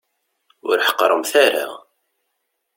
Ur ḥeqqremt ara.